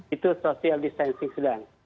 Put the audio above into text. itu social distancing sedang